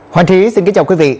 hoàng trí xin kính chào quý vị